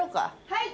はい。